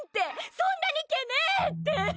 そんなに毛ねえって！